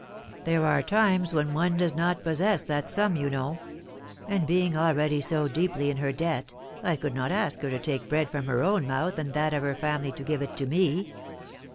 There are times when one does not possess that sum, you know; and being already so deeply in her debt, I could not ask her to take bread from her own mouth and that of her family to give it to me."